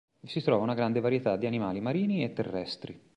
Vi si trova una grande varietà di animali marini e terrestri.